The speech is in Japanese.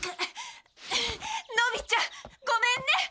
のびちゃんごめんね。